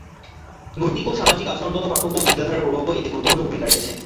নৈতিক ও সামাজিক আচরণগত পার্থক্য ও চিন্তাধারার প্রভাবও এতে গুরুত্বপূর্ণ ভূমিকা রেখেছে।